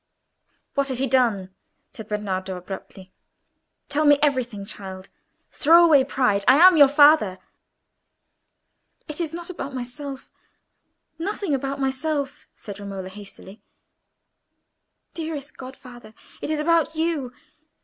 "What has he done?" said Bernardo, abruptly. "Tell me everything, child; throw away pride. I am your father." "It is not about myself—nothing about myself," said Romola, hastily. "Dearest godfather, it is about you.